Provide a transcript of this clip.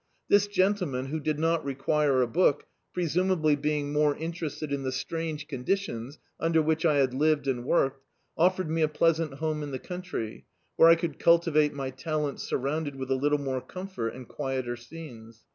This gentleman, who did not require a book, presumably being more interested in the strange conditions under which I had lived and worked, offered me a pleasant borne in the country, where I could cultivate my talents sur rounded with a little more comfort and quieter scenes.